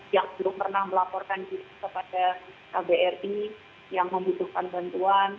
yang belum pernah melaporkan diri kepada kbri yang membutuhkan bantuan